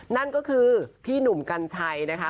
นั่นก็คือพี่หนุ่มกัญชัยนะคะ